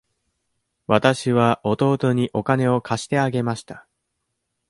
わたしは弟にお金を貸してあげました。